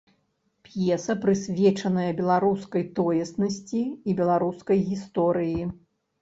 П'еса прысвечаная беларускай тоеснасці і беларускай гісторыі.